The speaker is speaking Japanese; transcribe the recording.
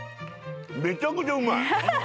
めちゃくちゃうまい。